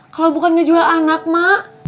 kalo bukan ngejual anak ma